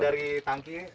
ini dari tangki